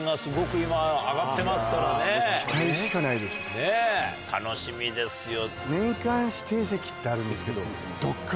ねっ楽しみですよ。